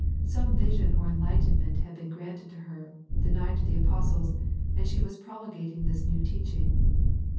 Some vision or enlightenment had been granted to her, denied to the apostles, and she was promulgating this new teaching.